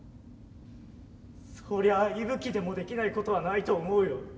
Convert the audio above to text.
そりゃあいぶきでもできないことはないと思うよ。